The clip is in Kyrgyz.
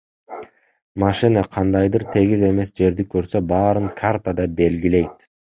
Машина кандайдыр тегиз эмес жерди көрсө, баарын картада белгилейт.